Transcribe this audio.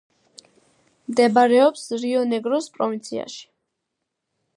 მდებარეობს რიო-ნეგროს პროვინციაში.